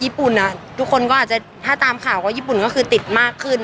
ญี่ปุ่นทุกคนก็อาจจะถ้าตามข่าวก็ญี่ปุ่นก็คือติดมากขึ้น